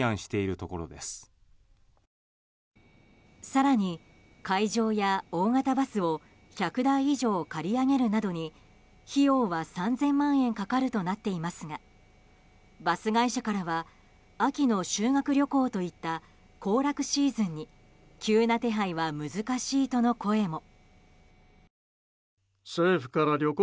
更に会場や大型バスを１００台以上借り上げるなどに費用は３０００万円かかるとなっていますがバス会社からは秋の修学旅行といった行楽シーズンに急な手配は難しいとの声も。